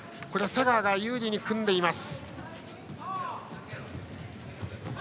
瀬川が有利に組んでいます。